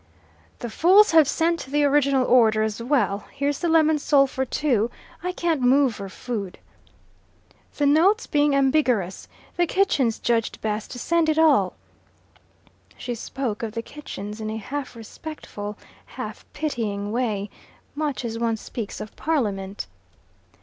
"The fools have sent the original order as well. Here's the lemon sole for two. I can't move for food." "The note being ambiguous, the Kitchens judged best to send it all." She spoke of the kitchens in a half respectful, half pitying way, much as one speaks of Parliament.